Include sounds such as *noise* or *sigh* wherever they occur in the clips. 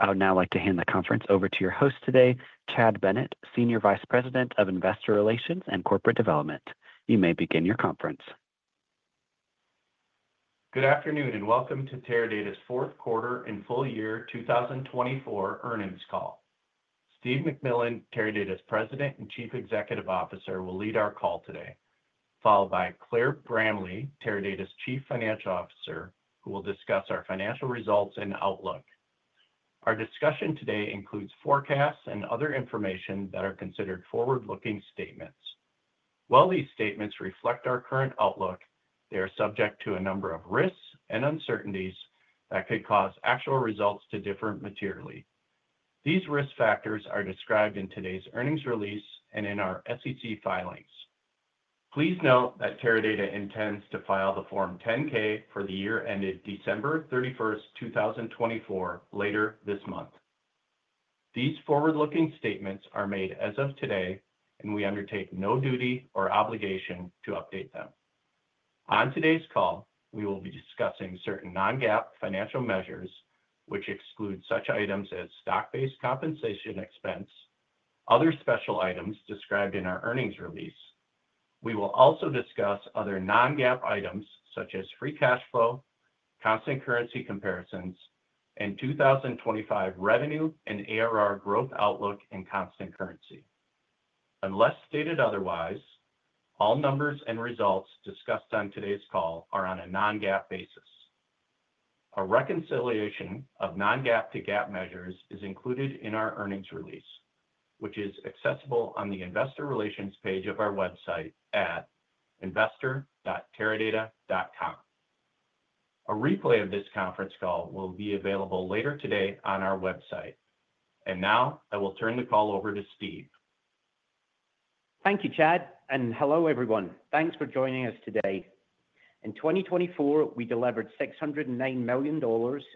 Thank you. I would now like to hand the conference over to your host today, Chad Bennett, Senior Vice President of Investor Relations and Corporate Development. You may begin your conference. Good afternoon and welcome to Teradata's Fourth Quarter and Full Year 2024 Earnings Call. Steve McMillan, Teradata's President and Chief Executive Officer, will lead our call today, followed by Claire Bramley, Teradata's Chief Financial Officer, who will discuss our financial results and outlook. Our discussion today includes forecasts and other information that are considered forward-looking statements. While these statements reflect our current outlook, they are subject to a number of risks and uncertainties that could cause actual results to differ materially. These risk factors are described in today's earnings release and in our SEC filings. Please note that Teradata intends to file the Form 10-K for the year ended December 31, 2024, later this month. These forward-looking statements are made as of today, and we undertake no duty or obligation to update them. On today's call, we will be discussing certain non-GAAP financial measures, which exclude such items as stock-based compensation expense, other special items described in our earnings release. We will also discuss other non-GAAP items such as free cash flow, constant currency comparisons, and 2025 revenue and ARR growth outlook in constant currency. Unless stated otherwise, all numbers and results discussed on today's call are on a non-GAAP basis. A reconciliation of non-GAAP to GAAP measures is included in our earnings release, which is accessible on the Investor Relations page of our website at investor.teradata.com. A replay of this conference call will be available later today on our website. And now I will turn the call over to Steve. Thank you, Chad, and hello everyone. Thanks for joining us today. In 2024, we delivered $609 million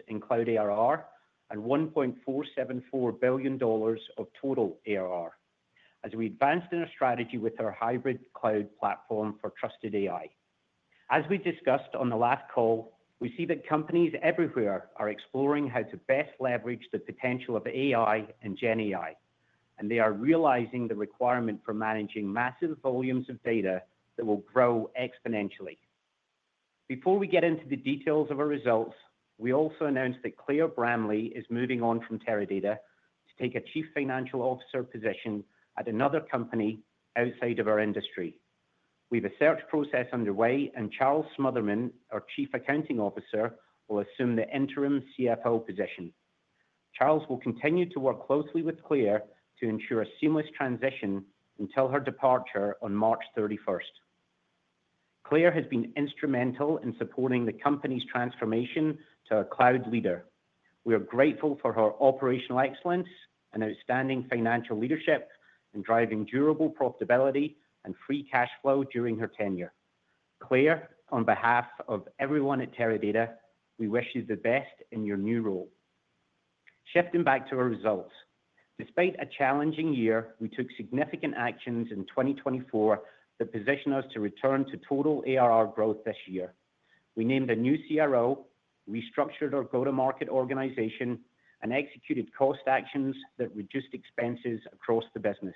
in cloud ARR and $1.474 billion of total ARR as we advanced in our strategy with our hybrid cloud platform for trusted AI. As we discussed on the last call, we see that companies everywhere are exploring how to best leverage the potential of AI and GenAI, and they are realizing the requirement for managing massive volumes of data that will grow exponentially. Before we get into the details of our results, we also announced that Claire Bramley is moving on from Teradata to take a Chief Financial Officer position at another company outside of our industry. We have a search process underway, and Charles Smotherman, our Chief Accounting Officer, will assume the interim CFO position. Charles will continue to work closely with Claire to ensure a seamless transition until her departure on March 31. Claire has been instrumental in supporting the company's transformation to a cloud leader. We are grateful for her operational excellence and outstanding financial leadership in driving durable profitability and free cash flow during her tenure. Claire, on behalf of everyone at Teradata, we wish you the best in your new role. Shifting back to our results, despite a challenging year, we took significant actions in 2024 that positioned us to return to total ARR growth this year. We named a new CRO, restructured our go-to-market organization, and executed cost actions that reduced expenses across the business.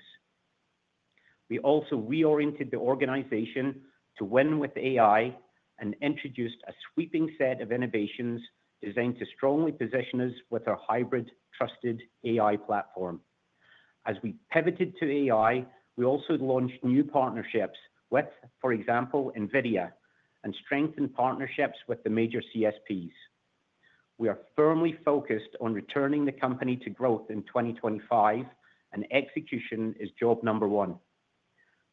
We also reoriented the organization to win with AI and introduced a sweeping set of innovations designed to strongly position us with our hybrid trusted AI platform. As we pivoted to AI, we also launched new partnerships with, for example, NVIDIA, and strengthened partnerships with the major CSPs. We are firmly focused on returning the company to growth in 2025, and execution is job number one.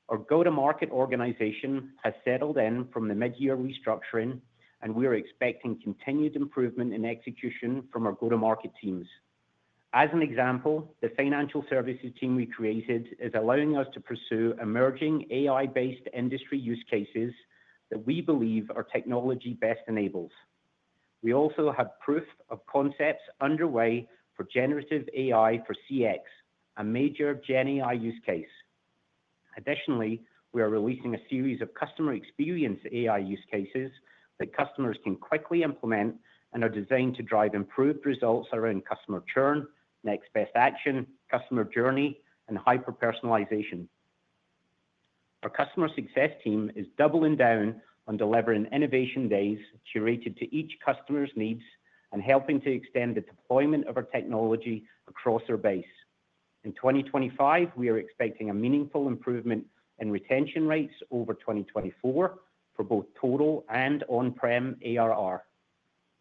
Our go-to-market organization has settled in from the mid-year restructuring, and we are expecting continued improvement in execution from our go-to-market teams. As an example, the financial services team we created is allowing us to pursue emerging AI-based industry use cases that we believe our technology best enables. We also have proof of concepts underway for generative AI for CX, a major GenAI use case. Additionally, we are releasing a series of customer experience AI use cases that customers can quickly implement and are designed to drive improved results around customer churn, next best action, customer journey, and hyper-personalization. Our customer success team is doubling down on delivering innovation days curated to each customer's needs and helping to extend the deployment of our technology across our base. In 2025, we are expecting a meaningful improvement in retention rates over 2024 for both total and on-prem ARR.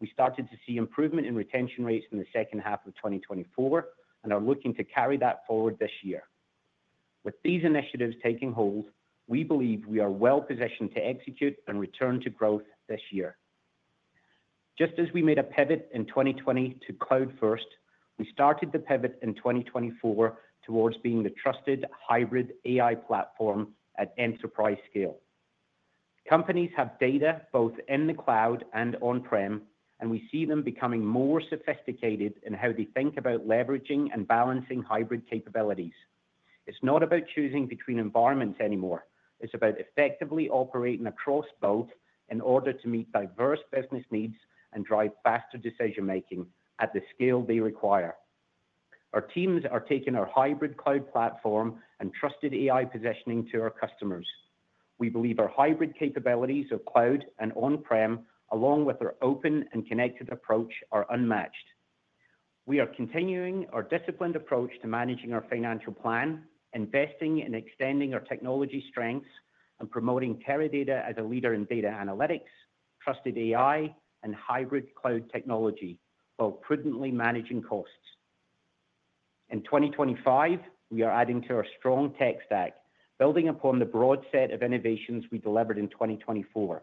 We started to see improvement in retention rates in the second half of 2024 and are looking to carry that forward this year. With these initiatives taking hold, we believe we are well positioned to execute and return to growth this year. Just as we made a pivot in 2020 to cloud-first, we started the pivot in 2024 towards being the trusted hybrid AI platform at enterprise scale. Companies have data both in the cloud and on-prem, and we see them becoming more sophisticated in how they think about leveraging and balancing hybrid capabilities. It's not about choosing between environments anymore. It's about effectively operating across both in order to meet diverse business needs and drive faster decision-making at the scale they require. Our teams are taking our hybrid cloud platform and trusted AI positioning to our customers. We believe our hybrid capabilities of cloud and on-prem, along with our open and connected approach, are unmatched. We are continuing our disciplined approach to managing our financial plan, investing in extending our technology strengths, and promoting Teradata as a leader in data analytics, trusted AI, and hybrid cloud technology, while prudently managing costs. In 2025, we are adding to our strong tech stack, building upon the broad set of innovations we delivered in 2024.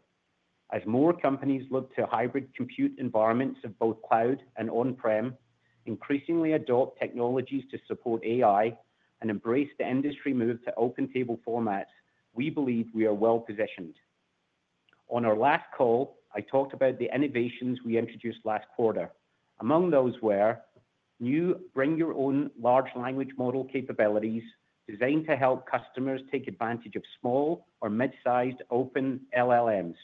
As more companies look to hybrid compute environments of both cloud and on-prem, increasingly adopt technologies to support AI, and embrace the industry move to open table formats, we believe we are well positioned. On our last call, I talked about the innovations we introduced last quarter. Among those were new bring-your-own large language model capabilities designed to help customers take advantage of small or mid-sized open LLMs,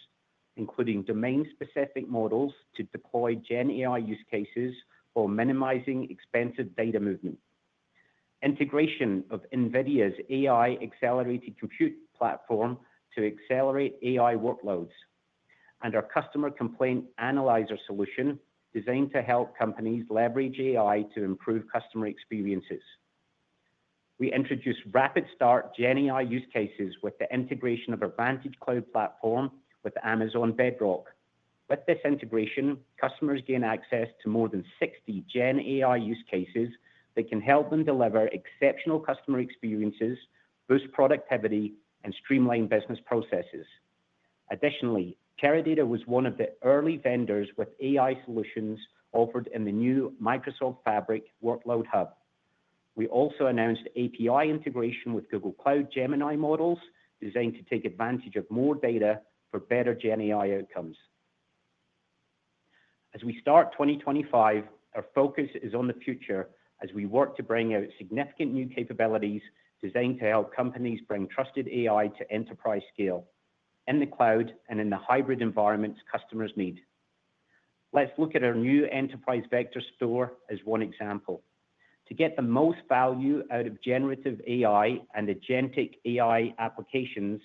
including domain-specific models to deploy GenAI use cases while minimizing expensive data movement, integration of NVIDIA's AI accelerated compute platform to accelerate AI workloads, and our Customer Complaint Analyzer solution designed to help companies leverage AI to improve customer experiences. We introduced rapid start GenAI use cases with the integration of our Vantage Cloud platform with Amazon Bedrock. With this integration, customers gain access to more than 60 GenAI use cases that can help them deliver exceptional customer experiences, boost productivity, and streamline business processes. Additionally, Teradata was one of the early vendors with AI solutions offered in the new Microsoft Fabric Workload Hub. We also announced API integration with Google Cloud Gemini models designed to take advantage of more data for better GenAI outcomes. As we start 2025, our focus is on the future as we work to bring out significant new capabilities designed to help companies bring trusted AI to enterprise scale in the cloud and in the hybrid environments customers need. Let's look at our new Enterprise Vector Store as one example. To get the most value out of Generative AI and Agentic AI applications,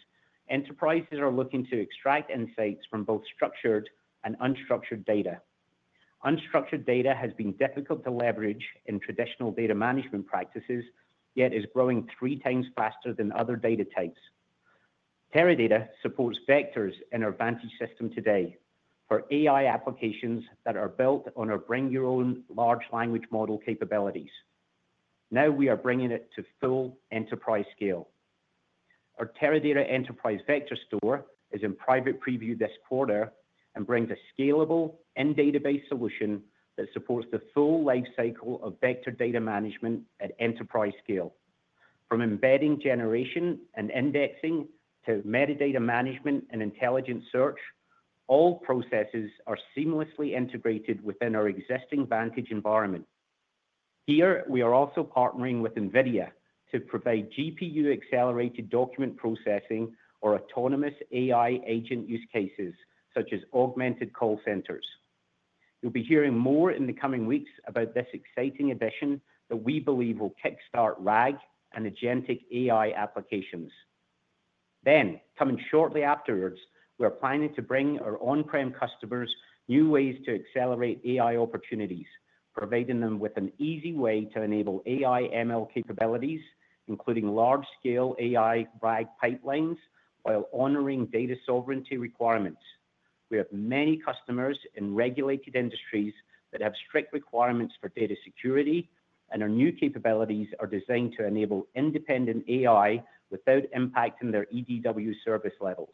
enterprises are looking to extract insights from both structured and unstructured data. Unstructured data has been difficult to leverage in traditional data management practices, yet is growing three times faster than other data types. Teradata supports vectors in our Vantage system today for AI applications that are built on our bring-your-own large language model capabilities. Now we are bringing it to full enterprise scale. Our Teradata Enterprise Vector Store is in private preview this quarter and brings a scalable in-database solution that supports the full lifecycle of vector data management at enterprise scale. From embedding generation and indexing to metadata management and intelligent search, all processes are seamlessly integrated within our existing Vantage environment. Here, we are also partnering with NVIDIA to provide GPU accelerated document processing or autonomous AI agent use cases such as augmented call centers. You'll be hearing more in the coming weeks about this exciting addition that we believe will kickstart RAG and agentic AI applications. Then, coming shortly afterwards, we're planning to bring our on-prem customers new ways to accelerate AI opportunities, providing them with an easy way to enable AI/ML capabilities, including large-scale AI RAG pipelines while honoring data sovereignty requirements. We have many customers in regulated industries that have strict requirements for data security, and our new capabilities are designed to enable independent AI without impacting their EDW service levels.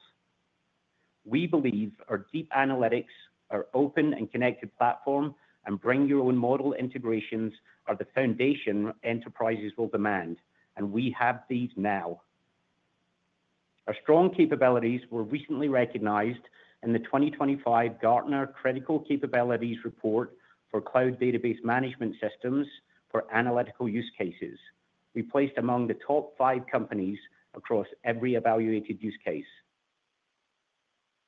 We believe our deep analytics, our open and connected platform, and bring-your-own model integrations are the foundation enterprises will demand, and we have these now. Our strong capabilities were recently recognized in the 2025 Gartner Critical Capabilities Report for cloud database management systems for analytical use cases. We placed among the top five companies across every evaluated use case.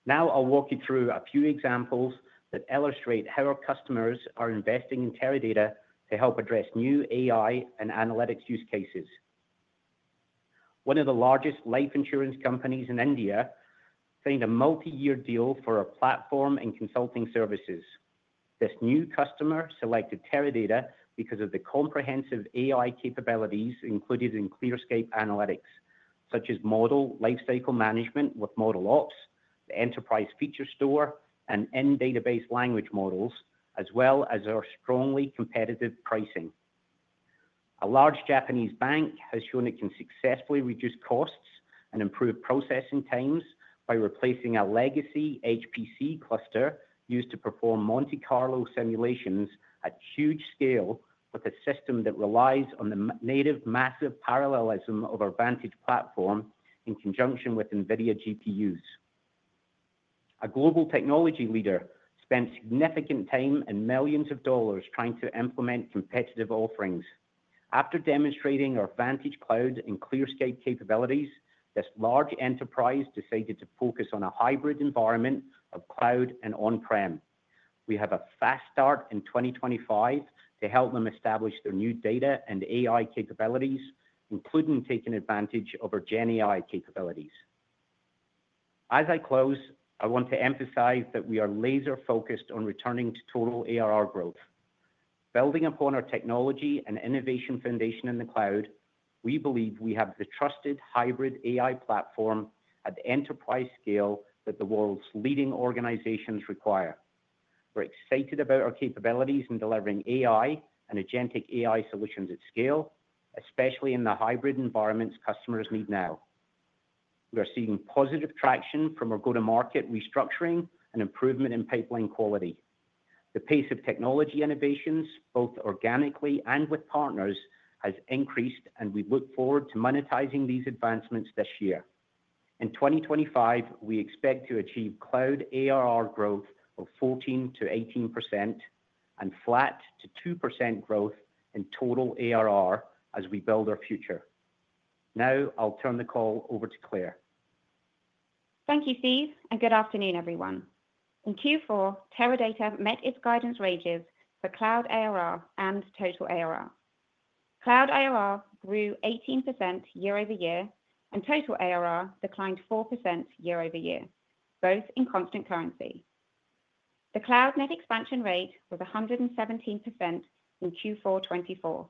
Now I'll walk you through a few examples that illustrate how our customers are investing in Teradata to help address new AI and analytics use cases. One of the largest life insurance companies in India signed a multi-year deal for our platform and consulting services. This new customer selected Teradata because of the comprehensive AI capabilities included in ClearScape Analytics, such as model lifecycle management with ModelOps, the Enterprise Feature Store, and in-database language models, as well as our strongly competitive pricing. A large Japanese bank has shown it can successfully reduce costs and improve processing times by replacing our legacy HPC cluster used to perform Monte Carlo simulations at huge scale with a system that relies on the native massive parallelism of our Vantage platform in conjunction with NVIDIA GPUs. A global technology leader spent significant time and millions of dollars trying to implement competitive offerings. After demonstrating our Vantage Cloud and ClearScape capabilities, this large enterprise decided to focus on a hybrid environment of cloud and on-prem. We have a fast start in 2025 to help them establish their new data and AI capabilities, including taking advantage of our GenAI capabilities. As I close, I want to emphasize that we are laser-focused on returning to total ARR growth. Building upon our technology and innovation foundation in the cloud, we believe we have the trusted hybrid AI platform at the enterprise scale that the world's leading organizations require. We're excited about our capabilities in delivering AI and agentic AI solutions at scale, especially in the hybrid environments customers need now. We are seeing positive traction from our go-to-market restructuring and improvement in pipeline quality. The pace of technology innovations, both organically and with partners, has increased, and we look forward to monetizing these advancements this year. In 2025, we expect to achieve cloud ARR growth of 14%-18% and flat to 2% growth in total ARR as we build our future. Now I'll turn the call over to Claire. Thank you, Steve, and good afternoon, everyone. In Q4, Teradata met its guidance ranges for cloud ARR and total ARR. Cloud ARR grew 18% year-over-year, and total ARR declined 4% year-over-year, both in constant currency. The cloud net expansion rate was 117% in Q4 2024.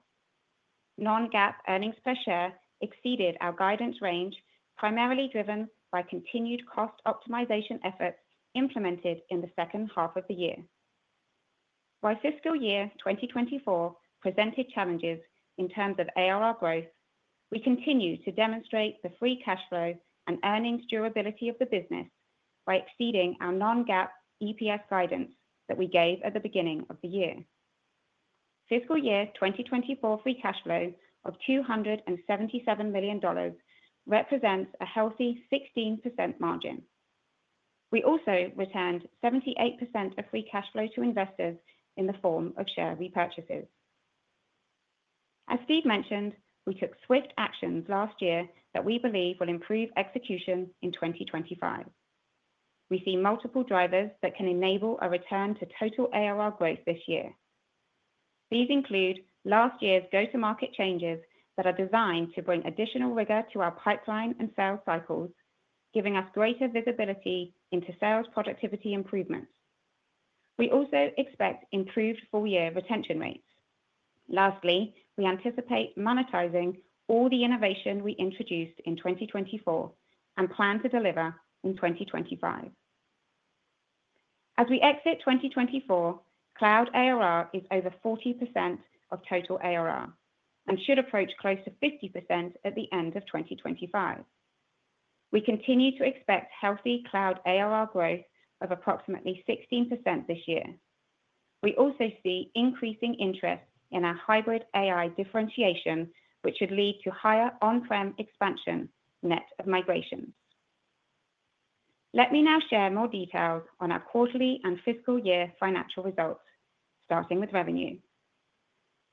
Non-GAAP earnings per share exceeded our guidance range, primarily driven by continued cost optimization efforts implemented in the second half of the year. While fiscal year 2024 presented challenges in terms of ARR growth, we continue to demonstrate the free cash flow and earnings durability of the business by exceeding our non-GAAP EPS guidance that we gave at the beginning of the year. Fiscal year 2024 free cash flow of $277 million represents a healthy 16% margin. We also returned 78% of free cash flow to investors in the form of share repurchases. As Steve mentioned, we took swift actions last year that we believe will improve execution in 2025. We see multiple drivers that can enable a return to total ARR growth this year. These include last year's go-to-market changes that are designed to bring additional rigor to our pipeline and sales cycles, giving us greater visibility into sales productivity improvements. We also expect improved full-year retention rates. Lastly, we anticipate monetizing all the innovation we introduced in 2024 and plan to deliver in 2025. As we exit 2024, cloud ARR is over 40% of total ARR and should approach close to 50% at the end of 2025. We continue to expect healthy cloud ARR growth of approximately 16% this year. We also see increasing interest in our hybrid AI differentiation, which should lead to higher on-prem expansion net of migrations. Let me now share more details on our quarterly and fiscal year financial results, starting with revenue.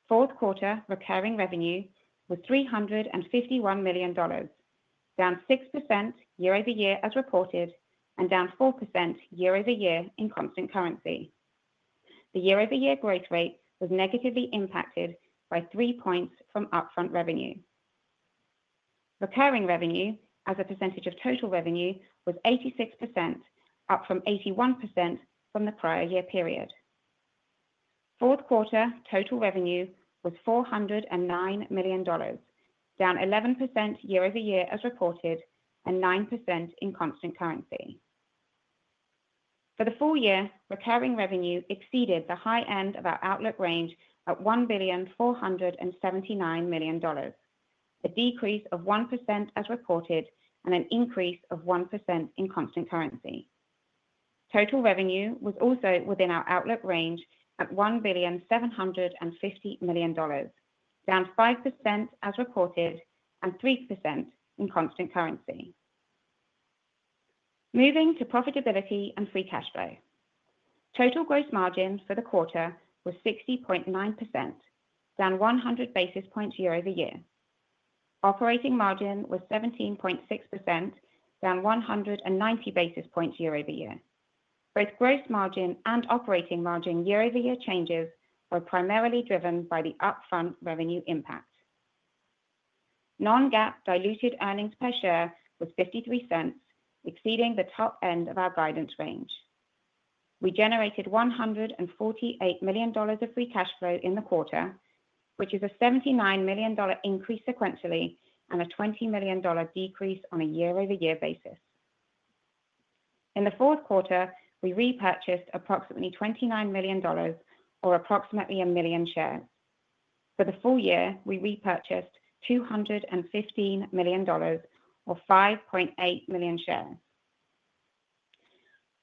Fourth quarter recurring revenue was $351 million, down 6% year-over-year as reported and down 4% year-over-year in constant currency. The year-over-year growth rate was negatively impacted by three points from upfront revenue. Recurring revenue as a percentage of total revenue was 86%, up from 81% from the prior year period. Fourth quarter total revenue was $409 million, down 11% year over year as reported and 9% in constant currency. For the full year, recurring revenue exceeded the high end of our outlook range at $1.479 billion, a decrease of 1% as reported and an increase of 1% in constant currency. Total revenue was also within our outlook range at $1.750 billion, down 5% as reported and 3% in constant currency. Moving to profitability and free cash flow. Total gross margin for the quarter was 60.9%, down 100 basis points year-over-year. Operating margin was 17.6%, down 190 basis points year-over-year. Both gross margin and operating margin year-over-year changes were primarily driven by the upfront revenue impact. Non-GAAP diluted earnings per share was $0.53, exceeding the top end of our guidance range. We generated $148 million of free cash flow in the quarter, which is a $79 million increase sequentially and a $20 million decrease on a year-over-year basis. In the fourth quarter, we repurchased approximately $29 million, or approximately a million shares. For the full year, we repurchased $215 million, or 5.8 million shares.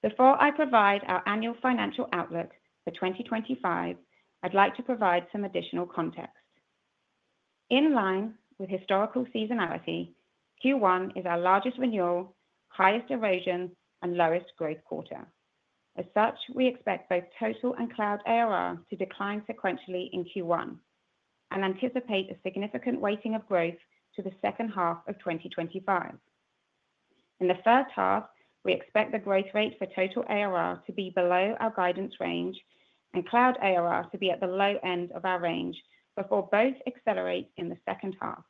Before I provide our annual financial outlook for 2025, I'd like to provide some additional context. In line with historical seasonality, Q1 is our largest renewal, highest erosion, and lowest growth quarter. As such, we expect both total and cloud ARR to decline sequentially in Q1 and anticipate a significant weighting of growth to the second half of 2025. In the first half, we expect the growth rate for total ARR to be below our guidance range and cloud ARR to be at the low end of our range before both accelerate in the second half.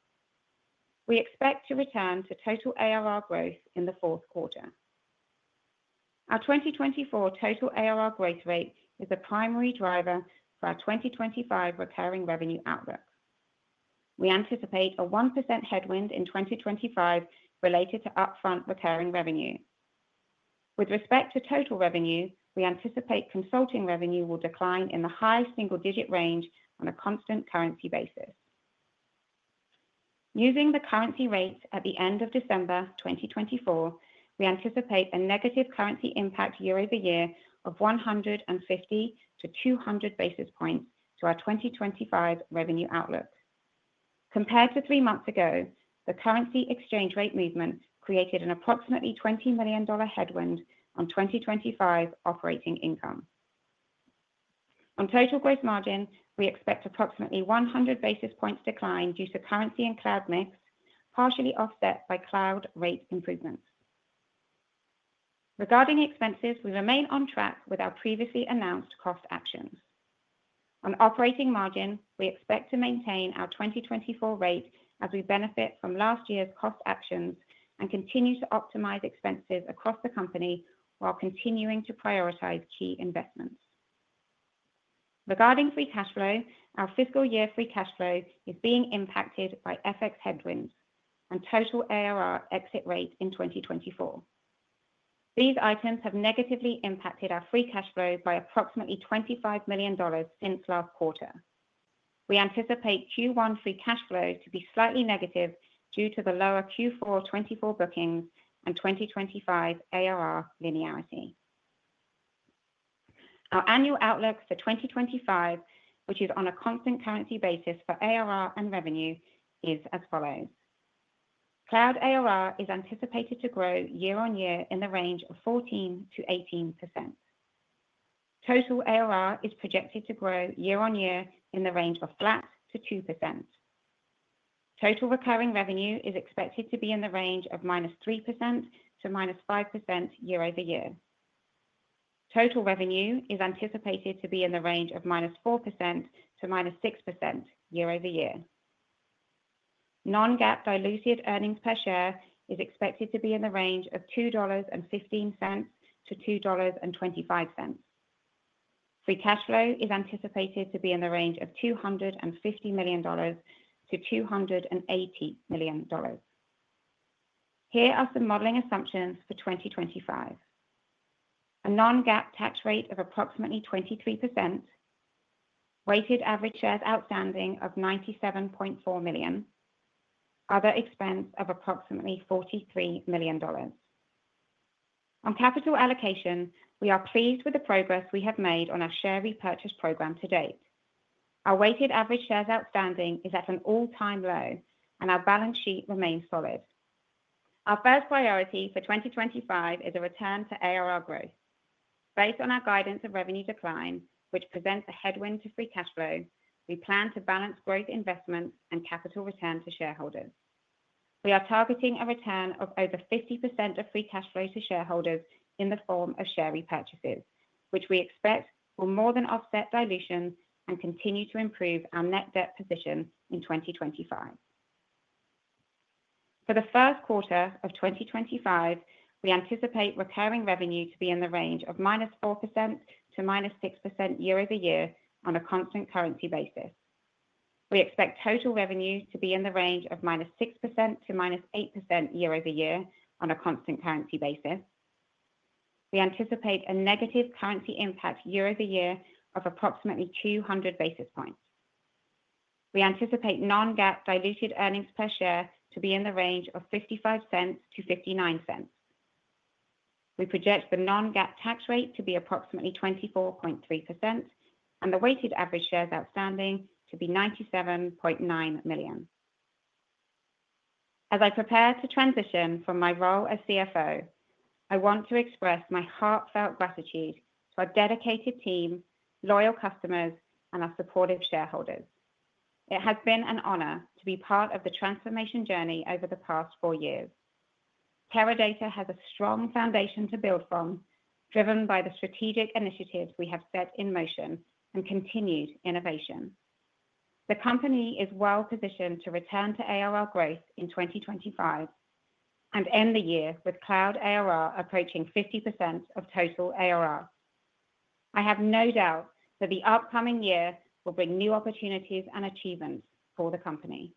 We expect to return to total ARR growth in the fourth quarter. Our 2024 total ARR growth rate is the primary driver for our 2025 recurring revenue outlook. We anticipate a 1% headwind in 2025 related to upfront recurring revenue. With respect to total revenue, we anticipate consulting revenue will decline in the high single-digit range on a constant currency basis. Using the currency rates at the end of December 2024, we anticipate a negative currency impact year-over-year of 150 to 200 basis points to our 2025 revenue outlook. Compared to three months ago, the currency exchange rate movement created an approximately $20 million headwind on 2025 operating income. On total gross margin, we expect approximately 100 basis points decline due to currency and cloud mix, partially offset by cloud rate improvements. Regarding expenses, we remain on track with our previously announced cost actions. On operating margin, we expect to maintain our 2024 rate as we benefit from last year's cost actions and continue to optimize expenses across the company while continuing to prioritize key investments. Regarding free cash flow, our fiscal year free cash flow is being impacted by FX headwinds and total ARR exit rate in 2024. These items have negatively impacted our free cash flow by approximately $25 million since last quarter. We anticipate Q1 free cash flow to be slightly negative due to the lower Q4 2024 bookings and 2025 ARR linearity. Our annual outlook for 2025, which is on a constant currency basis for ARR and revenue, is as follows. Cloud ARR is anticipated to grow year-on-year in the range of 14%-18%. Total ARR is projected to grow year-on-year in the range of flat to 2%. Total recurring revenue is expected to be in the range of -3% to -5% year-over-year. Total revenue is anticipated to be in the range of -4% to -6% year-over-year. Non-GAAP diluted earnings per share is expected to be in the range of $2.15-$2.25. Free cash flow is anticipated to be in the range of $250 million-$280 million. Here are some modeling assumptions for 2025. A non-GAAP tax rate of approximately 23%, weighted average shares outstanding of 97.4 million, other expense of approximately $43 million. On capital allocation, we are pleased with the progress we have made on our share repurchase program to date. Our weighted average shares outstanding is at an all-time low, and our balance sheet remains solid. Our first priority for 2025 is a return to ARR growth. Based on our guidance of revenue decline, which presents a headwind to free cash flow, we plan to balance growth investments and capital return to shareholders. We are targeting a return of over 50% of free cash flow to shareholders in the form of share repurchases, which we expect will more than offset dilution and continue to improve our net debt position in 2025. For the first quarter of 2025, we anticipate recurring revenue to be in the range of -4% to -6% year-over-year on a constant currency basis. We expect total revenue to be in the range of -6% to -8% year-over-year on a constant currency basis. We anticipate a negative currency impact year-over-year of approximately 200 basis points. We anticipate non-GAAP diluted earnings per share to be in the range of $0.55 to $0.59. We project the non-GAAP tax rate to be approximately 24.3% and the weighted average shares outstanding to be 97.9 million. As I prepare to transition from my role as CFO, I want to express my heartfelt gratitude to our dedicated team, loyal customers, and our supportive shareholders. It has been an honor to be part of the transformation journey over the past four years. Teradata has a strong foundation to build from, driven by the strategic initiatives we have set in motion and continued innovation. The company is well positioned to return to ARR growth in 2025 and end the year with cloud ARR approaching 50% of total ARR. I have no doubt that the upcoming year will bring new opportunities and achievements for the company.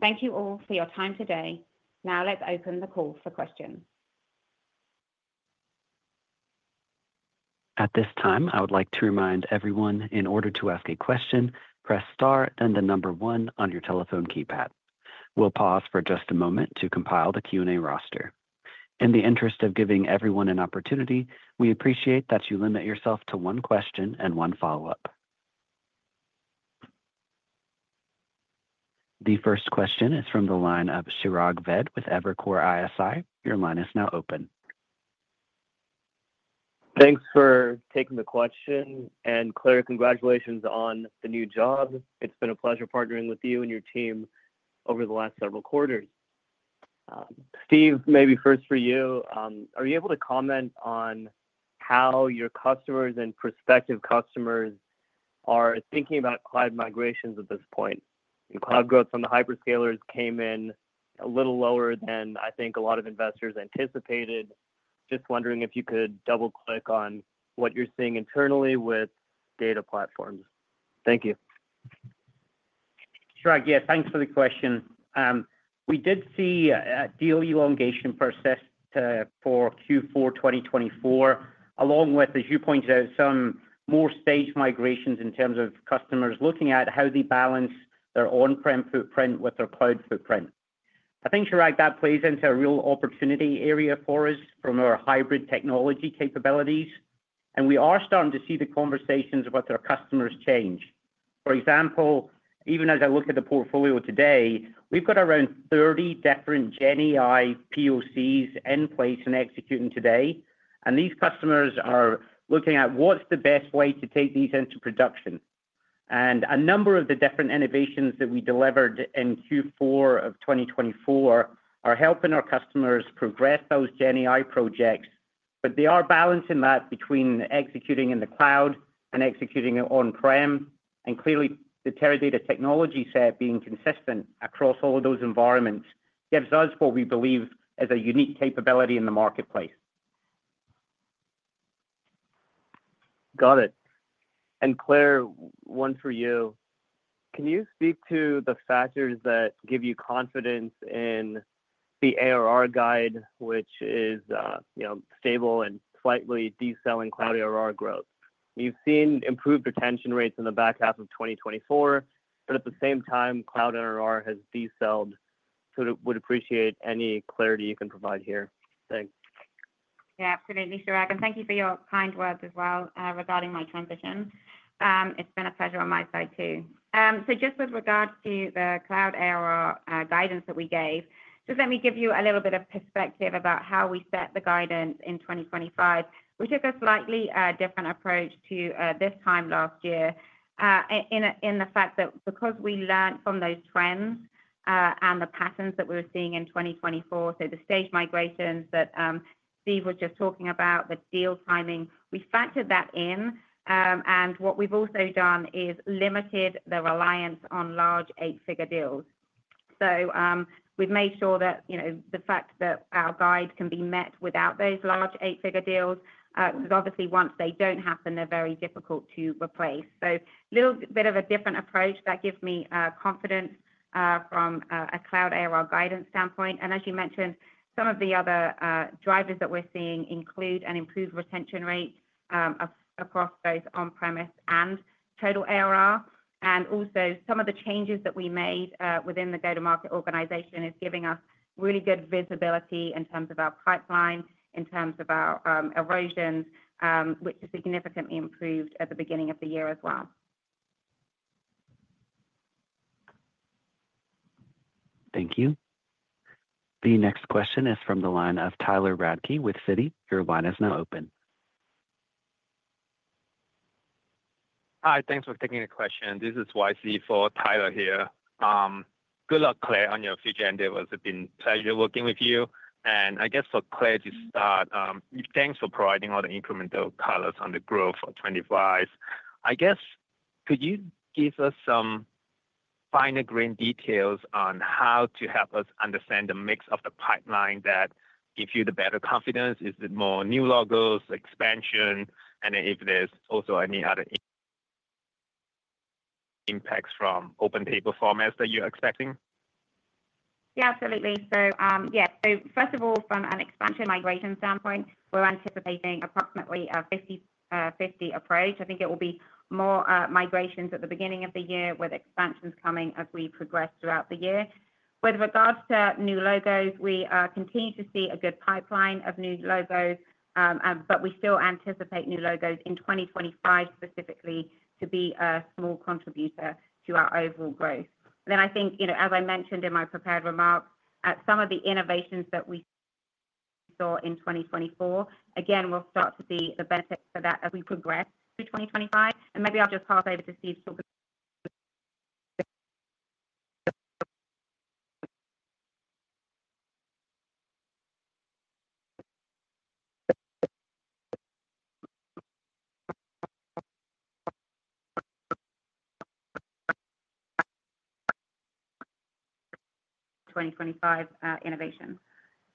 Thank you all for your time today. Now let's open the call for questions. At this time, I would like to remind everyone, in order to ask a question, press star, then the number one on your telephone keypad. We'll pause for just a moment to compile the Q&A roster. In the interest of giving everyone an opportunity, we appreciate that you limit yourself to one question and one follow-up. The first question is from the line of Chirag Ved with Evercore ISI. Your line is now open. Thanks for taking the question. And Claire, congratulations on the new job. It's been a pleasure partnering with you and your team over the last several quarters. Steve, maybe first for you, are you able to comment on how your customers and prospective customers are thinking about cloud migrations at this point? And cloud growth on the hyperscalers came in a little lower than I think a lot of investors anticipated. Just wondering if you could double-click on what you're seeing internally with data platforms. Thank you. Chirag, yes, thanks for the question. We did see a deal elongation process for Q4 2024, along with, as you pointed out, some more staged migrations in terms of customers looking at how they balance their on-prem footprint with their cloud footprint. I think, Chirag, that plays into a real opportunity area for us from our hybrid technology capabilities. We are starting to see the conversations about our customers change. For example, even as I look at the portfolio today, we've got around 30 different GenAI POCs in place and executing today. These customers are looking at what's the best way to take these into production. A number of the different innovations that we delivered in Q4 of 2024 are helping our customers progress those GenAI projects. They are balancing that between executing in the cloud and executing it on-prem. Clearly, the Teradata technology set being consistent across all of those environments gives us what we believe is a unique capability in the marketplace. Got it. Claire, one for you. Can you speak to the factors that give you confidence in the ARR guide, which is stable and slightly decelerating cloud ARR growth? You've seen improved retention rates in the back half of 2024, but at the same time, cloud ARR has decelerated. I would appreciate any clarity you can provide here. Thanks. Good afternoon. Thank you for your kind words as well regarding my transition. It's been a pleasure on my side too. Just with regard to the cloud ARR guidance that we gave, let me give you a little bit of perspective about how we set the guidance in 2025. We took a slightly different approach than this time last year in the fact that because we learned from those trends and the patterns that we were seeing in 2024, so the staged migrations that Steve was just talking about, the deal timing, we factored that in. What we've also done is limited the reliance on large eight-figure deals. So we've made sure that the fact that our guide can be met without those large eight-figure deals, because obviously, once they don't happen, they're very difficult to replace. So a little bit of a different approach that gives me confidence from a cloud ARR guidance standpoint. And as you mentioned, some of the other drivers that we're seeing include an improved retention rate across both on-premises and total ARR. And also, some of the changes that we made within the go-to-market organization is giving us really good visibility in terms of our pipeline, in terms of our erosions, which is significantly improved at the beginning of the year as well. Thank you. The next question is from the line of Tyler Radke with Citi. Your line is now open. Hi, thanks for taking the question. This is YC for Tyler here. Good luck, Claire, on your future endeavors. It's been a pleasure working with you, and I guess for Claire to start, thanks for providing all the incremental colors on the growth for 2025. I guess, could you give us some finer grain details on how to help us understand the mix of the pipeline that gives you the better confidence? Is it more new logos, expansion, and if there's also any other impacts from open table formats that you're expecting? Yeah, absolutely. So yeah, so first of all, from an expansion migration standpoint, we're anticipating approximately a 50/50 approach. I think it will be more migrations at the beginning of the year with expansions coming as we progress throughout the year. With regards to new logos, we continue to see a good pipeline of new logos, but we still anticipate new logos in 2025 specifically to be a small contributor to our overall growth. And then I think, as I mentioned in my prepared remarks, some of the innovations that we saw in 2024, again, we'll start to see the benefits for that as we progress through 2025. Maybe I'll just pass over to Steve to *audio distortion* 2025 innovation.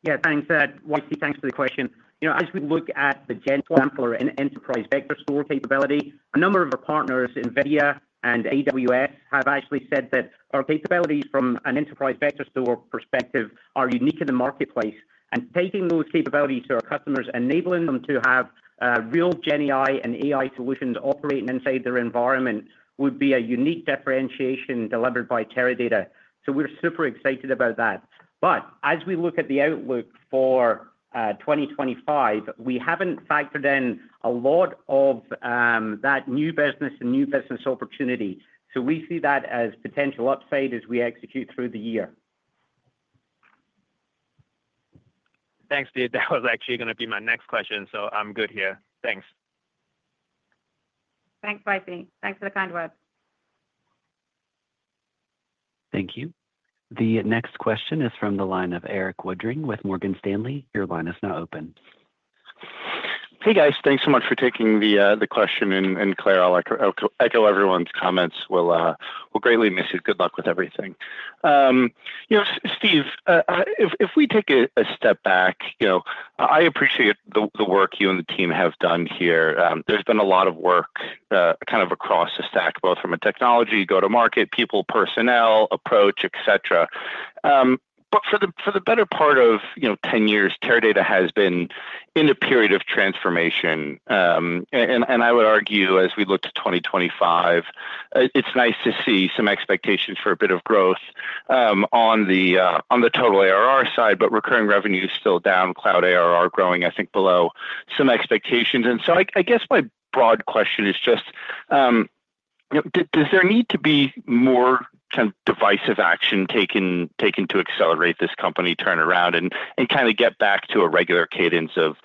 Yeah, thanks, YC. Thanks for the question. As we look at the GenAI sampler and Enterprise Vector Store capability, a number of our partners, NVIDIA and AWS, have actually said that our capabilities from an Enterprise Vector Store perspective are unique in the marketplace. And taking those capabilities to our customers, enabling them to have real GenAI and AI solutions operating inside their environment, would be a unique differentiation delivered by Teradata. So we're super excited about that. But as we look at the outlook for 2025, we haven't factored in a lot of that new business and new business opportunity. So we see that as potential upside as we execute through the year. Thanks, Steve. That was actually going to be my next question, so I'm good here. Thanks. Thanks, YC. Thanks for the kind words. Thank you. The next question is from the line of Erik Woodring with Morgan Stanley. Your line is now open. Hey, guys. Thanks so much for taking the question. And Claire, I'll echo everyone's comments. We'll greatly miss you. Good luck with everything. Steve, if we take a step back, I appreciate the work you and the team have done here. There's been a lot of work kind of across the stack, both from a technology, go-to-market, people, personnel, approach, etc. But for the better part of 10 years, Teradata has been in a period of transformation. I would argue, as we look to 2025, it's nice to see some expectations for a bit of growth on the total ARR side, but recurring revenue is still down, cloud ARR growing, I think, below some expectations. So I guess my broad question is just, does there need to be more kind of decisive action taken to accelerate this company turnaround and kind of get back to a regular cadence of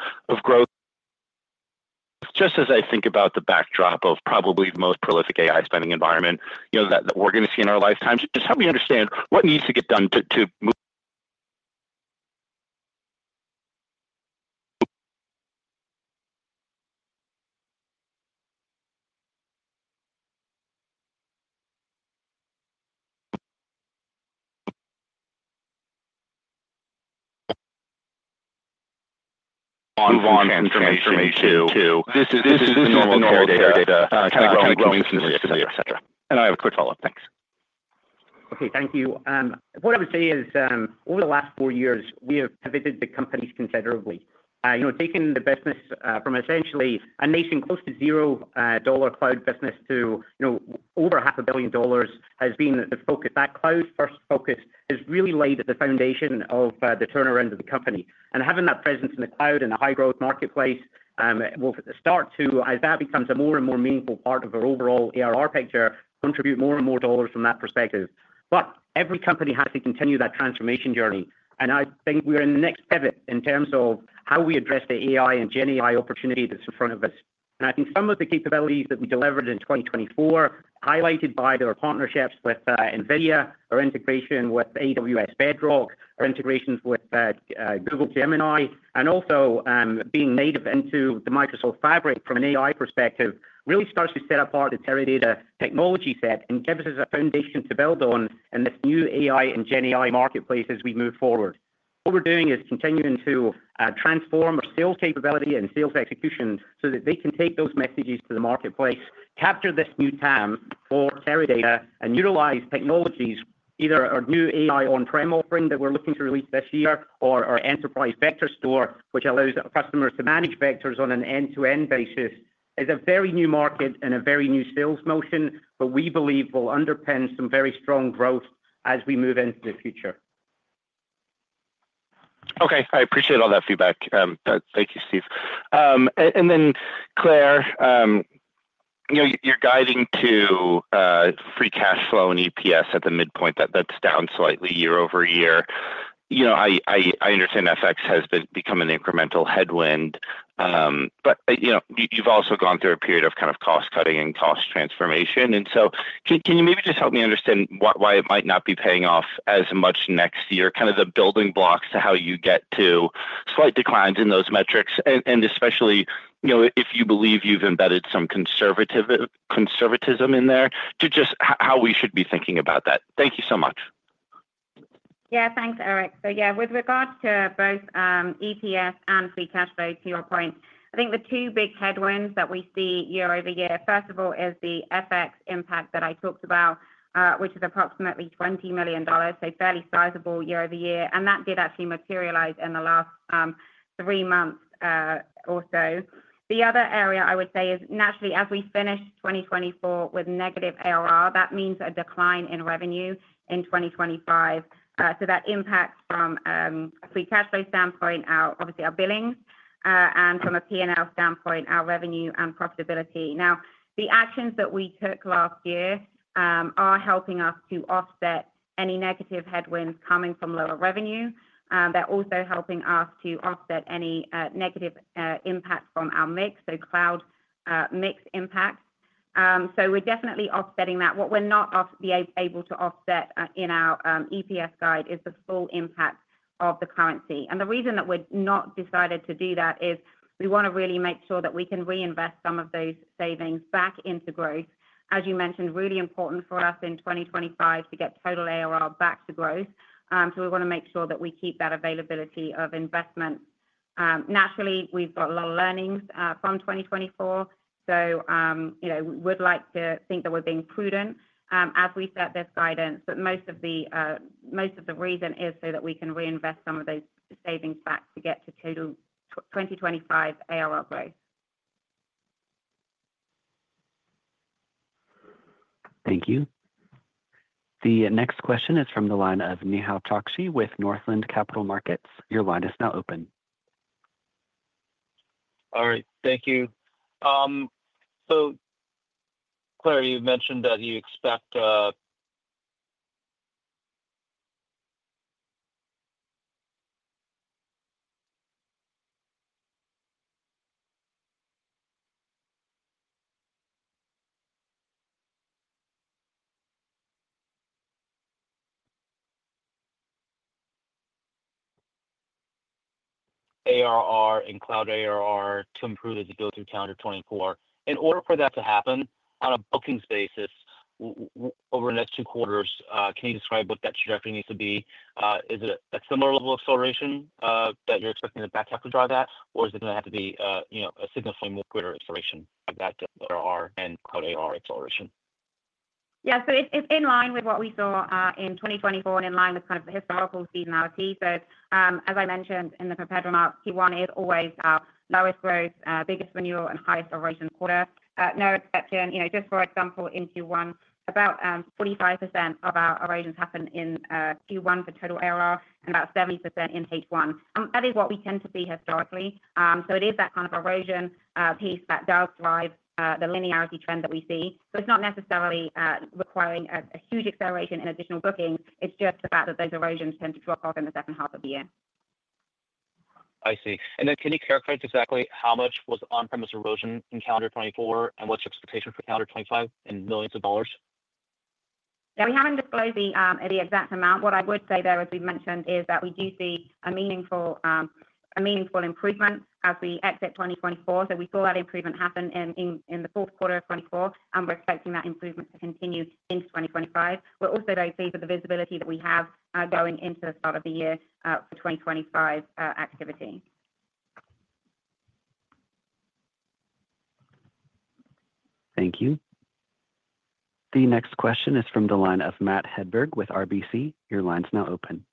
growth? Just as I think about the backdrop of probably the most prolific AI spending environment that we're going to see in our lifetimes, just help me understand what needs to get done to move this to normal Teradata kind of growing scenario, etc. And I have a quick follow-up. Thanks. Okay, thank you. What I would say is, over the last four years, we have pivoted the company considerably. Taking the business from essentially an on-prem close to zero-dollar cloud business to over $500 million has been the focus. That cloud-first focus has really laid the foundation of the turnaround of the company. Having that presence in the cloud and the high-growth marketplace will start to, as that becomes a more and more meaningful part of our overall ARR picture, contribute more and more dollars from that perspective. Every company has to continue that transformation journey. I think we're in the next pivot in terms of how we address the AI and GenAI opportunity that's in front of us. I think some of the capabilities that we delivered in 2024, highlighted by our partnerships with NVIDIA, our integration with Amazon Bedrock, our integrations with Google Gemini, and also being native into the Microsoft Fabric from an AI perspective, really starts to set apart the Teradata technology set and gives us a foundation to build on in this new AI and GenAI marketplace as we move forward. What we're doing is continuing to transform our sales capability and sales execution so that they can take those messages to the marketplace, capture this new TAM for Teradata, and utilize technologies, either our new AI on-prem offering that we're looking to release this year or our Enterprise Vector Store, which allows our customers to manage vectors on an end-to-end basis. It's a very new market and a very new sales motion, but we believe will underpin some very strong growth as we move into the future. Okay, I appreciate all that feedback. Thank you, Steve. And then, Claire, you're guiding to free cash flow and EPS at the midpoint. That's down slightly year over year. I understand FX has become an incremental headwind. But you've also gone through a period of kind of cost-cutting and cost transformation. And so can you maybe just help me understand why it might not be paying off as much next year? Kind of the building blocks to how you get to slight declines in those metrics, and especially if you believe you've embedded some conservatism in there, to just how we should be thinking about that? Thank you so much. Yeah, thanks, Erik. So yeah, with regards to both EPS and free cash flow, to your point, I think the two big headwinds that we see year over year, first of all, is the FX impact that I talked about, which is approximately $20 million, so fairly sizable year-over-year. And that did actually materialize in the last three months or so. The other area I would say is naturally, as we finish 2024 with negative ARR, that means a decline in revenue in 2025. So that impacts from a free cash flow standpoint, obviously our billings, and from a P&L standpoint, our revenue and profitability. Now, the actions that we took last year are helping us to offset any negative headwinds coming from lower revenue. They're also helping us to offset any negative impact from our mix, so cloud mix impact. So we're definitely offsetting that. What we're not able to offset in our EPS guide is the full impact of the currency. And the reason that we've not decided to do that is we want to really make sure that we can reinvest some of those savings back into growth. As you mentioned, really important for us in 2025 to get total ARR back to growth. So we want to make sure that we keep that availability of investments. Naturally, we've got a lot of learnings from 2024. So we would like to think that we're being prudent as we set this guidance. But most of the reason is so that we can reinvest some of those savings back to get to total 2025 ARR growth. Thank you. The next question is from the line of Nehal Chokshi with Northland Capital Markets. Your line is now open. All right. Thank you. So Claire, you've mentioned that you expect ARR and cloud ARR to improve visibility through calendar 2024. In order for that to happen on a bookings basis over the next two quarters, can you describe what that trajectory needs to be? Is it a similar level of acceleration that you're expecting the backlog to drive that, or is it going to have to be a significantly more greater acceleration? That ARR and cloud ARR acceleration. Yeah, so it's in line with what we saw in 2024 and in line with kind of the historical seasonality. So as I mentioned in the prepared remarks, Q1 is always our lowest growth, biggest renewal, and highest erosion quarter. No exception. Just for example, in Q1, about 45% of our erosions happen in Q1 for total ARR and about 70% in H1. That is what we tend to see historically. So it is that kind of erosion piece that does drive the linearity trend that we see. So it's not necessarily requiring a huge acceleration in additional bookings. It's just the fact that those erosions tend to drop off in the second half of the year. I see. And then can you characterize exactly how much was on-premises erosion in calendar 2024 and what's your expectation for calendar 2025 in millions of dollars? Yeah, we haven't disclosed the exact amount. What I would say there, as we've mentioned, is that we do see a meaningful improvement as we exit 2024. So we saw that improvement happen in the fourth quarter of 2024, and we're expecting that improvement to continue into 2025. We're also very pleased with the visibility that we have going into the start of the year for 2025 activity. Thank you. The next question is from the line of Matt Hedberg with RBC. Your line's now open.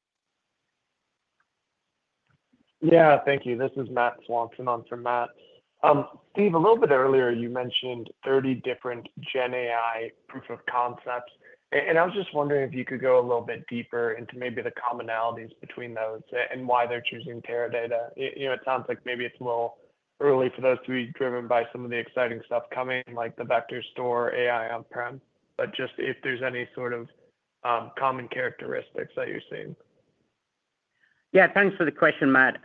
Yeah, thank you. This is Matt Swanson on for Matt. Steve, a little bit earlier, you mentioned 30 different GenAI proof of concepts, and I was just wondering if you could go a little bit deeper into maybe the commonalities between those and why they're choosing Teradata. It sounds like maybe it's a little early for those to be driven by some of the exciting stuff coming, like the vector store, AI on-prem, but just if there's any sort of common characteristics that you're seeing. Yeah, thanks for the question, Matt.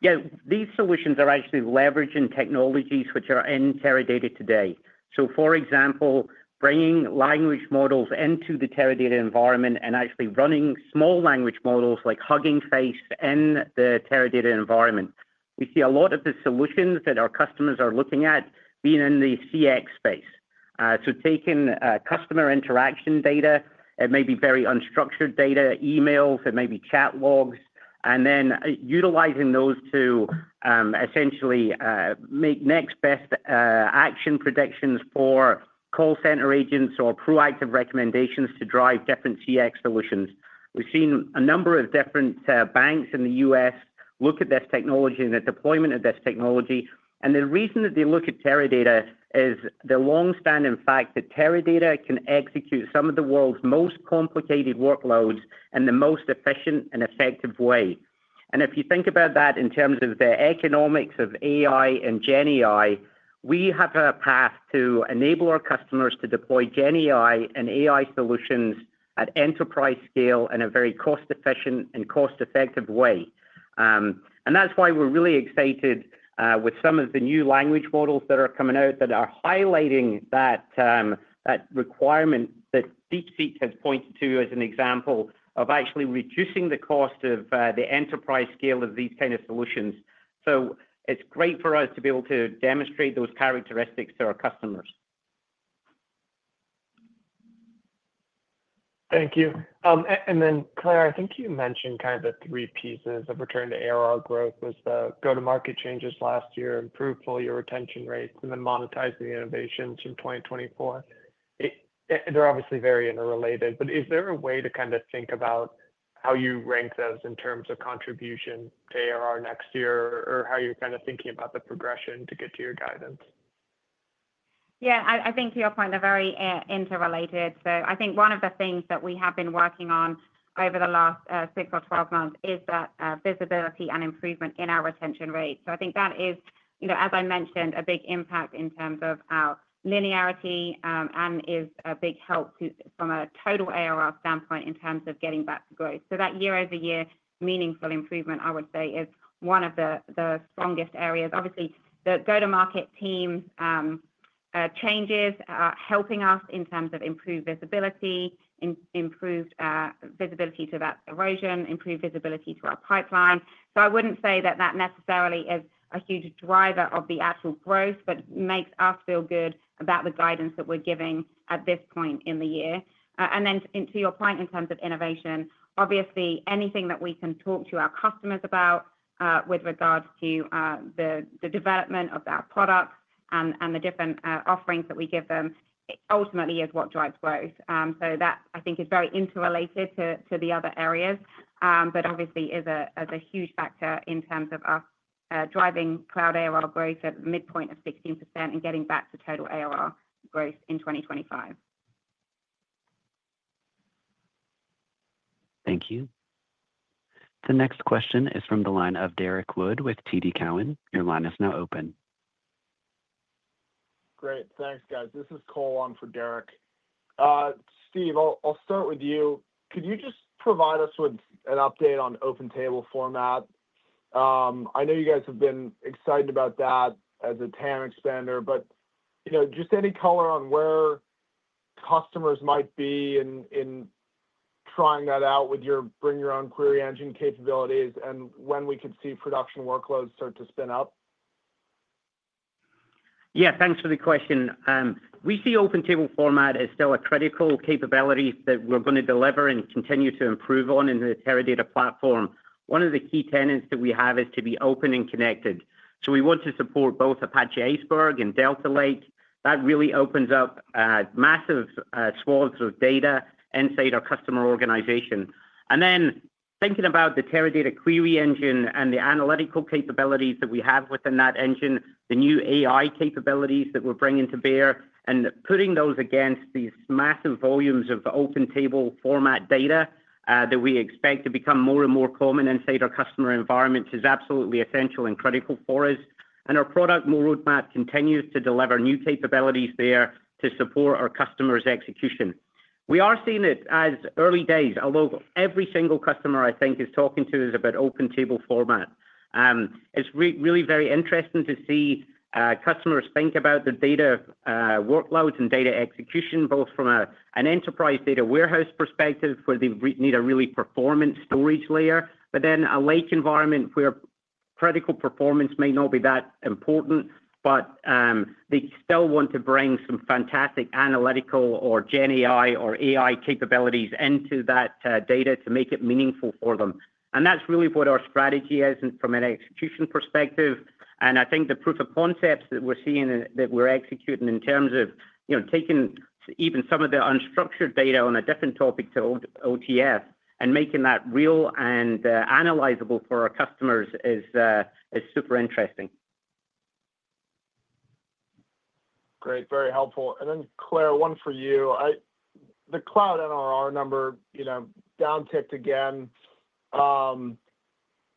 Yeah, these solutions are actually leveraging technologies which are in Teradata today. So for example, bringing language models into the Teradata environment and actually running small language models like Hugging Face in the Teradata environment. We see a lot of the solutions that our customers are looking at being in the CX space, so taking customer interaction data, it may be very unstructured data, emails, it may be chat logs, and then utilizing those to essentially make next best action predictions for call center agents or proactive recommendations to drive different CX solutions. We've seen a number of different banks in the U.S. look at this technology and the deployment of this technology, and the reason that they look at Teradata is the long-standing fact that Teradata can execute some of the world's most complicated workloads in the most efficient and effective way, and if you think about that in terms of the economics of AI and GenAI, we have a path to enable our customers to deploy GenAI and AI solutions at enterprise scale in a very cost-efficient and cost-effective way. And that's why we're really excited with some of the new language models that are coming out that are highlighting that requirement that DeepSeek has pointed to as an example of actually reducing the cost of the enterprise scale of these kinds of solutions. So it's great for us to be able to demonstrate those characteristics to our customers. Thank you. And then, Claire, I think you mentioned kind of the three pieces of return to ARR growth was the go-to-market changes last year, improved dollar retention rates, and then monetizing innovations in 2024. They're obviously very interrelated. But is there a way to kind of think about how you rank those in terms of contribution to ARR next year or how you're kind of thinking about the progression to get to your guidance? Yeah, I think to your point, they're very interrelated. So I think one of the things that we have been working on over the last six or 12 months is that visibility and improvement in our retention rate. So I think that is, as I mentioned, a big impact in terms of our linearity and is a big help from a total ARR standpoint in terms of getting back to growth. So that year-over-year meaningful improvement, I would say, is one of the strongest areas. Obviously, the go-to-market team changes are helping us in terms of improved visibility, improved visibility to that erosion, improved visibility to our pipeline. So I wouldn't say that that necessarily is a huge driver of the actual growth, but makes us feel good about the guidance that we're giving at this point in the year. And then to your point in terms of innovation, obviously, anything that we can talk to our customers about with regards to the development of our products and the different offerings that we give them ultimately is what drives growth. So that, I think, is very interrelated to the other areas, but obviously is a huge factor in terms of us driving cloud ARR growth at the midpoint of 16% and getting back to total ARR growth in 2025. Thank you. The next question is from the line of Derrick Wood with TD Cowen. Your line is now open. Great. Thanks, guys. This is Cole on for Derrick. Steve, I'll start with you. Could you just provide us with an update on open table format? I know you guys have been excited about that as a TAM expander, but just any color on where customers might be in trying that out with your bring-your-own-query engine capabilities and when we could see production workloads start to spin up? Yeah, thanks for the question. We see open table format as still a critical capability that we're going to deliver and continue to improve on in the Teradata platform. One of the key tenets that we have is to be open and connected. So we want to support both Apache Iceberg and Delta Lake. That really opens up massive swaths of data inside our customer organization. And then thinking about the Teradata query engine and the analytical capabilities that we have within that engine, the new AI capabilities that we're bringing to bear and putting those against these massive volumes of open table format data that we expect to become more and more common inside our customer environments is absolutely essential and critical for us. And our product, multi-cloud roadmap, continues to deliver new capabilities there to support our customers' execution. We are seeing it as early days, although every single customer I think is talking to us about open table format. It's really very interesting to see customers think about the data workloads and data execution, both from an enterprise data warehouse perspective where they need a really performance storage layer, but then a lake environment where critical performance may not be that important, but they still want to bring some fantastic analytical or GenAI or AI capabilities into that data to make it meaningful for them. And that's really what our strategy is from an execution perspective. And I think the proof of concepts that we're seeing that we're executing in terms of taking even some of the unstructured data on a different topic to OTF and making that real and analyzable for our customers is super interesting. Great. Very helpful. And then, Claire, one for you. The cloud NRR number downticked again.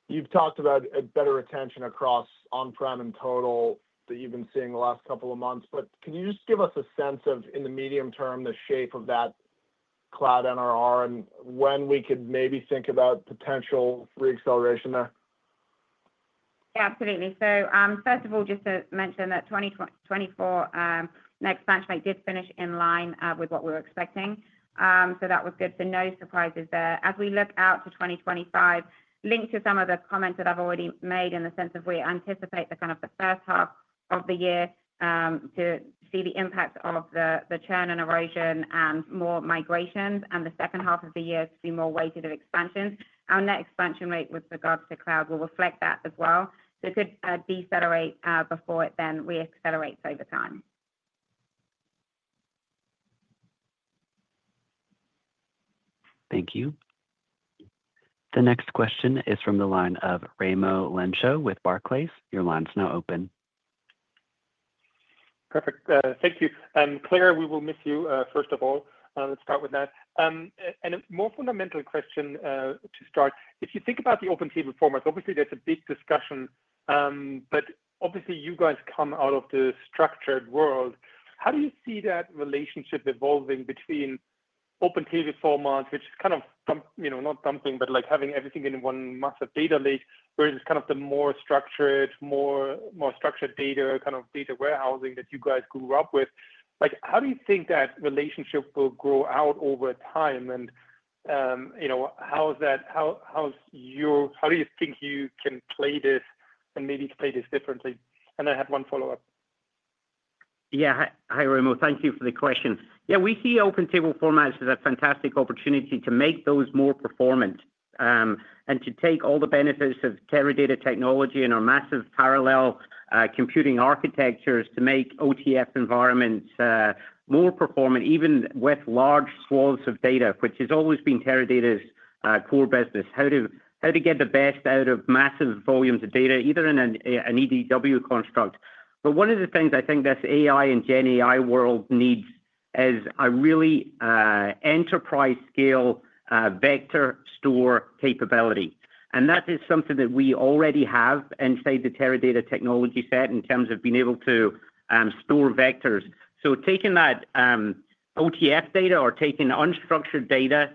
You've talked about better retention across on-prem and total that you've been seeing the last couple of months. But can you just give us a sense of, in the medium term, the shape of that cloud NRR and when we could maybe think about potential re-acceleration there? Yeah, absolutely. So first of all, just to mention that 2024 Net Expansion Rate did finish in line with what we were expecting. So that was good. So no surprises there. As we look out to 2025, linked to some of the comments that I've already made in the sense of we anticipate the kind of the first half of the year to see the impact of the churn and erosion and more migrations, and the second half of the year to be more weighted of expansions. Our net expansion rate with regards to cloud will reflect that as well. So it could decelerate before it then re-accelerates over time. Thank you. The next question is from the line of Raimo Lenschow with Barclays. Your line's now open. Perfect. Thank you. Claire, we will miss you, first of all. Let's start with that. And a more fundamental question to start. If you think about the open table formats, obviously there's a big discussion, but obviously you guys come out of the structured world. How do you see that relationship evolving between open table formats, which is kind of not dumping, but having everything in one massive data lake, whereas it's kind of the more structured, more structured data kind of data warehousing that you guys grew up with? How do you think that relationship will grow out over time? And how do you think you can play this and maybe play this differently? And I had one follow-up. Yeah, hi, Raimo. Thank you for the question. Yeah, we see open table formats as a fantastic opportunity to make those more performant and to take all the benefits of Teradata technology and our massive parallel computing architectures to make OTF environments more performant, even with large swaths of data, which has always been Teradata's core business, how to get the best out of massive volumes of data, either in an EDW construct. But one of the things I think this AI and GenAI world needs is a really enterprise-scale vector store capability. And that is something that we already have inside the Teradata technology set in terms of being able to store vectors. Taking that OTF data or taking unstructured data,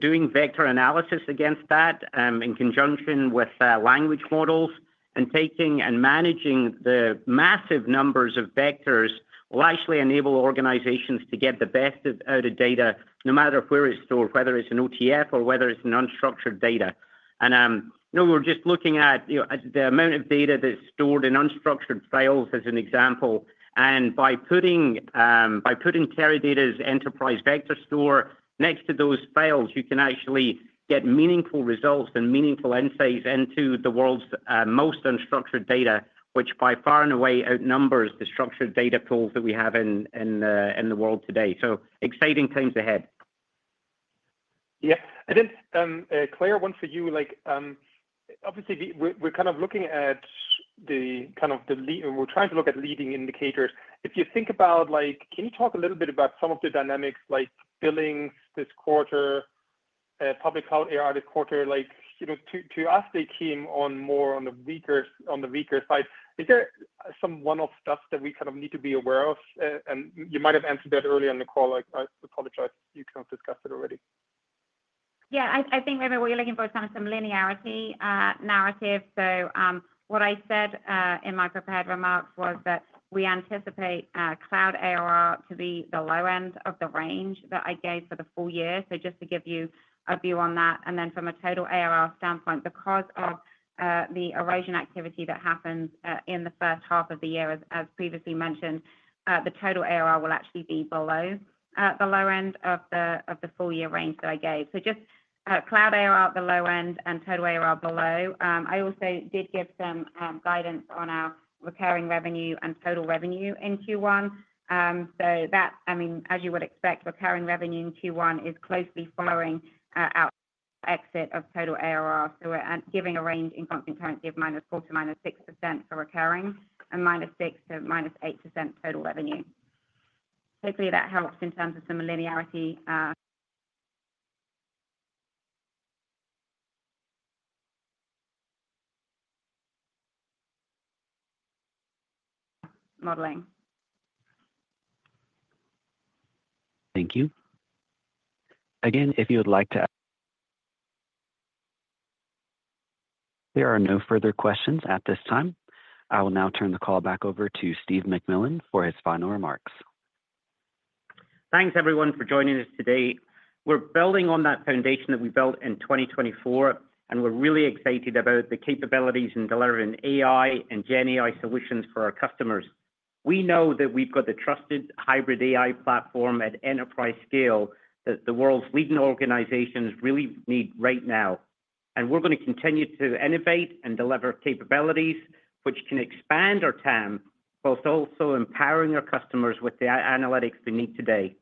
doing vector analysis against that in conjunction with language models, and taking and managing the massive numbers of vectors will actually enable organizations to get the best out of data no matter where it's stored, whether it's an OTF or whether it's an unstructured data. And we're just looking at the amount of data that's stored in unstructured files as an example. And by putting Teradata's Enterprise Vector Store next to those files, you can actually get meaningful results and meaningful insights into the world's most unstructured data, which by far and away outnumbers the structured data pools that we have in the world today. So exciting times ahead. Yeah. And then, Claire, one for you. Obviously, we're kind of looking at the kind of the leading we're trying to look at leading indicators. If you think about, can you talk a little bit about some of the dynamics, like billings this quarter, public cloud ARR this quarter? To us, they came on more on the weaker side. Is there some one-off stuff that we kind of need to be aware of? And you might have answered that earlier in the call. I apologize. You kind of discussed it already. Yeah, I think, Raimo, what you're looking for is kind of some linearity narrative. So what I said in my prepared remarks was that we anticipate cloud ARR to be the low end of the range that I gave for the full year. So just to give you a view on that. Then from a total ARR standpoint, because of the erosion activity that happens in the first half of the year, as previously mentioned, the total ARR will actually be below the low end of the full year range that I gave. So just cloud ARR at the low end and total ARR below. I also did give some guidance on our recurring revenue and total revenue in Q1. So that, I mean, as you would expect, recurring revenue in Q1 is closely following our exit rate of total ARR. So we're giving a range in constant currency of -4% to -6% for recurring and -6% to -8% total revenue. Hopefully, that helps in terms of some linearity modeling. Thank you. Again, if you would like to ask. There are no further questions at this time. I will now turn the call back over to Steve McMillan for his final remarks. Thanks, everyone, for joining us today. We're building on that foundation that we built in 2024, and we're really excited about the capabilities in delivering AI and GenAI solutions for our customers. We know that we've got the trusted hybrid AI platform at enterprise scale that the world's leading organizations really need right now. And we're going to continue to innovate and deliver capabilities which can expand our TAM, while also empowering our customers with the analytics we need today.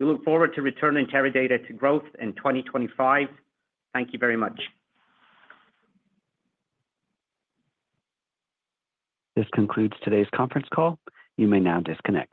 We look forward to returning Teradata to growth in 2025. Thank you very much. This concludes today's conference call. You may now disconnect.